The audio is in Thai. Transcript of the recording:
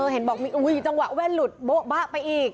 เห็นบอกมีจังหวะแว่นหลุดโบ๊ะบะไปอีก